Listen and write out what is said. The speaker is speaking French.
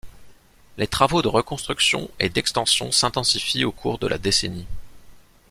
Les travaux de reconstruction et d'extension s'intensifient au cours de la décennie.